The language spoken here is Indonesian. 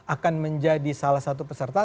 akan menjadi salah satu peserta